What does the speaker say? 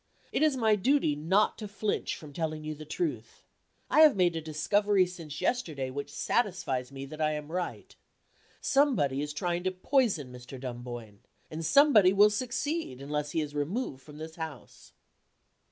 It is my duty not to flinch from telling you the truth. I have made a discovery since yesterday which satisfies me that I am right. Somebody is trying to poison Mr. Dunboyne; and somebody will succeed unless he is removed from this house."